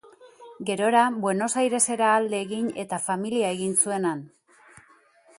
Gerora, Buenos Airesera alde egin eta familia egin zuen han.